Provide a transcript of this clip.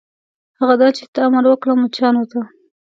هغه دا چې ته امر وکړه مچانو ته.